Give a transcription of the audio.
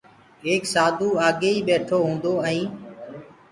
ايڪ سآڌوٚ آگيئيٚ ٻيٺو هُونٚدو ائينٚ